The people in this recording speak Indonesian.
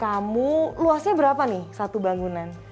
kamu luasnya berapa nih satu bangunan